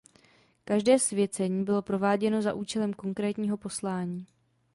Každé svěcení bylo prováděno za účelem konkrétního poslání.